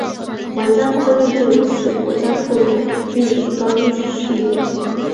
玩家通过内政使国家富裕并提高军事实力。